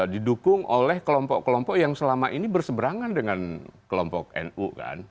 didukung oleh kelompok kelompok yang selama ini berseberangan dengan kelompok nu kan